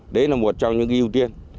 đấy là một trong những cái ưu tiên